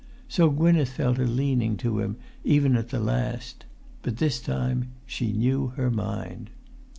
So Gwynneth felt a leaning to him even at the last; but this time she knew her mind.